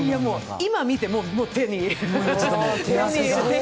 今、見ても手握る。